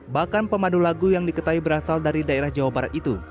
bahkan pemandu lagu yang diketahui berasal dari daerah jawa barat itu